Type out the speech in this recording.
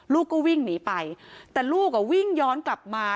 ลูกก็วิ่งหนีไปแต่ลูกอ่ะวิ่งย้อนกลับมา